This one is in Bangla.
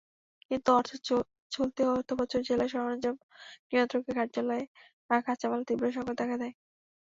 কিন্তু চলতি অর্থবছর জেলা সরঞ্জাম নিয়ন্ত্রকের কার্যালয়ে কাঁচামালের তীব্র সংকট দেখা দেয়।